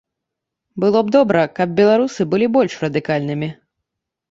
Было б добра, каб беларусы былі больш радыкальнымі.